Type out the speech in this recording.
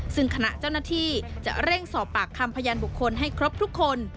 ซึ่งคณะเจ้าหน้าที่จะเร่งสอบปากคำพยานบุคคลให้ครบทุกคน